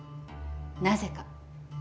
なぜか？